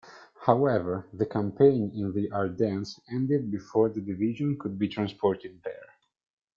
However, the campaign in the Ardennes ended before the division could be transported there.